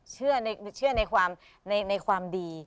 เชื่อในความในความดี